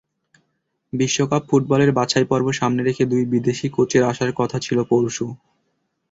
বিশ্বকাপ ফুটবলের বাছাইপর্ব সামনে রেখে দুই বিদেশি কোচের আসার কথা ছিল পরশু।